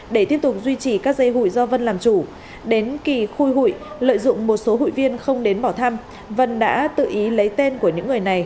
để tiếp tục duy trì các dây hụi do vân làm chủ đến kỳ khôi hụi lợi dụng một số hụi viên không đến bỏ thăm vân đã tự ý lấy tên của những người này